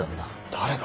誰が？